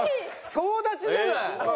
総立ちじゃない。